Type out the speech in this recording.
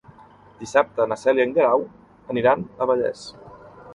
Dissabte na Cel i en Guerau aniran a Vallés.